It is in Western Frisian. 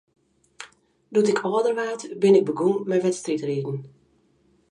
Doe't ik âlder waard, bin ik begûn mei wedstriidriden.